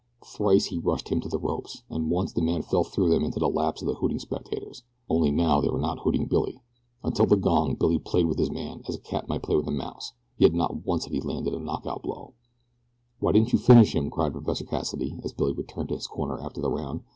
Thrice he rushed him to the ropes, and once the man fell through them into the laps of the hooting spectators only now they were not hooting Billy. Until the gong Billy played with his man as a cat might play with a mouse; yet not once had he landed a knock out blow. "Why didn't you finish him?" cried Professor Cassidy, as Billy returned to his corner after the round.